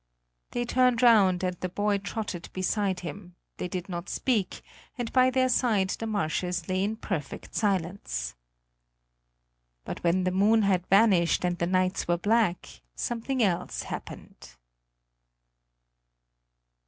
They turned round and the boy trotted beside him; they did not speak, and by their side the marshes lay in perfect silence. But when the moon had vanished and the nights were black, something else happened.